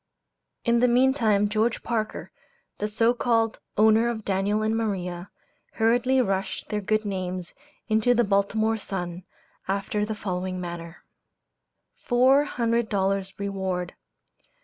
In the meantime George Parker, the so called owner of Daniel and Maria, hurriedly rushed their good names into the "Baltimore Sun," after the following manner "FOUR HUNDRED DOLLARS REWARD.